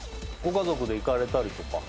家族で行かれたりとか？